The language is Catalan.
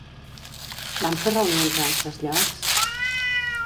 Van fer reunions a altres llocs?